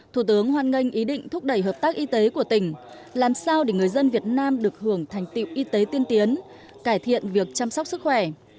thủ tướng hoan nghênh ý định thúc đẩy hợp tác y tế của tỉnh làm sao để người dân việt nam được hưởng thành tiệu y tế tiên tiến cải thiện việc chăm sóc sức khỏe